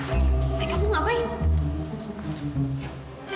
amir kamu ngapain